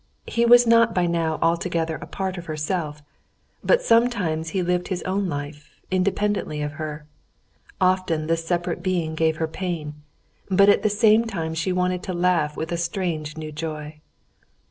He was not by now altogether a part of herself, but sometimes lived his own life independently of her. Often this separate being gave her pain, but at the same time she wanted to laugh with a strange new joy.